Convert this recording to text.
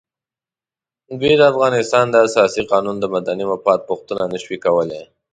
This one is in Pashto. دوی د افغانستان د اساسي قانون د مدني مفاد پوښتنه نه شوای کولای.